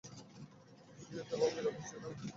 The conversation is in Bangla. ফিরে যাওয়াও নিরাপদ ছিল না।